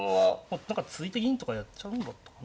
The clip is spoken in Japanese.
突いて銀とかやっちゃうんだったかな。